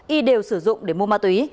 y đều sử dụng để mua ma túy